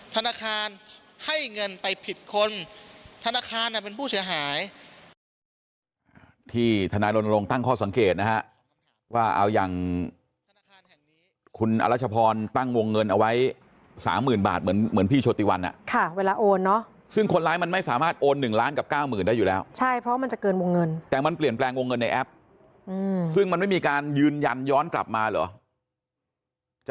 ธนาคารให้เงินไปผิดคนธนาคารเป็นผู้เสียหาย